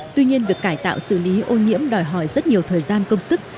tuy nhiên việc cải tạo xử lý ô nhiễm đòi hỏi rất nhiều thời gian công sức